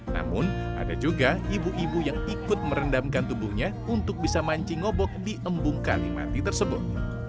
namun ada juga ibu ibu yang ikut merendamkan tubuhnya untuk bisa mancing ngobok di embung kalimati tersebut